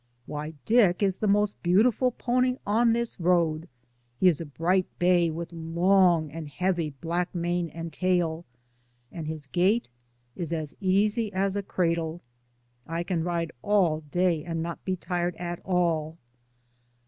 Why, Dick is the most beautiful pony on this road. He is a bright bay with long and heavy black mane and tail, and his gait is as easy as a cradle. I can ride all day and not be tired at all.